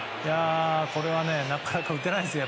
これはなかなか打てないですよ。